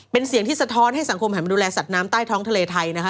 เป็นเสียงที่สะท้อนให้สังคมหันมาดูแลสัตว์น้ำใต้ท้องทะเลไทยนะคะ